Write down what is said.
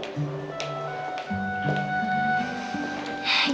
dia benar benar memperlakukan kamu seperti itu